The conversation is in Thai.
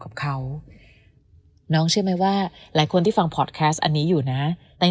กับเขาน้องเชื่อไหมว่าหลายคนที่ฟังพอร์ตแคสต์อันนี้อยู่นะใน